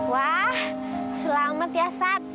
wah selamat ya sat